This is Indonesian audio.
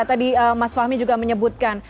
tadi mas fahmi juga menyebutkan